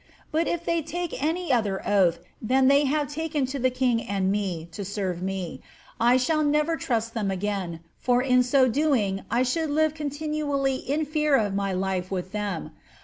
But if they take any other oath than they have taken to the king and me (to serve me), I shall never trust them again, for in so doing I should live continually in fear of my life with them.